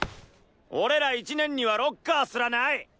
俺ら１年にはロッカーすらない！